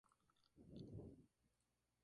Actualmente está divorciado.